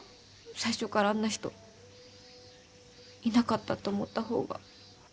最初からあんな人いなかったと思った方が。